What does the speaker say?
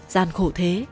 gian khổ thế